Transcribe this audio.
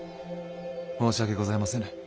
申し訳ございませぬ。